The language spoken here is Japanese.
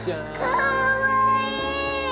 かわいい！